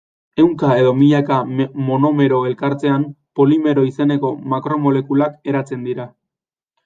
Ehunka edo milaka monomero elkartzean, polimero izeneko makromolekulak eratzen dira.